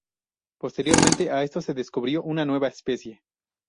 Posteriormente a esto, se descubrió una nueva especie.